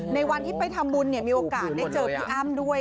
ในวันที่ไปทำบุญมีโอกาสเจอกับพี่อัมด้วย